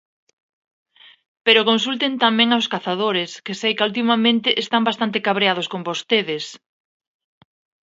Pero consulten tamén aos cazadores, que seica ultimamente están bastante cabreados con vostedes.